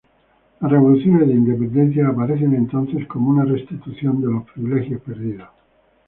Las revoluciones de independencia aparecen entonces como una restitución de los privilegios perdidos.